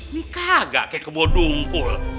nih kagak kayak kebodungkul